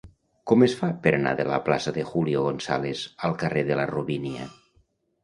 Com es fa per anar de la plaça de Julio González al carrer de la Robínia?